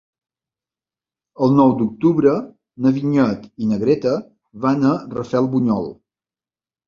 El nou d'octubre na Vinyet i na Greta van a Rafelbunyol.